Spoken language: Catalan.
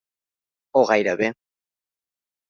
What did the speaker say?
O gairebé.